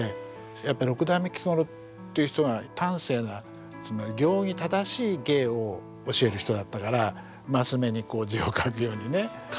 やっぱり六代目菊五郎っていう人は端正な行儀正しい芸を教える人だったからマス目に字を書くようにね。